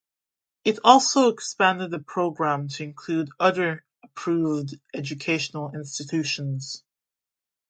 It also expanded the program to include other approved educational institutions.